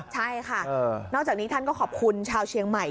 ใช่ค่ะนอกจากนี้ท่านก็ขอบคุณชาวเชียงใหม่